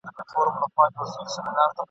ویرجینیا که په پسرلي کي !.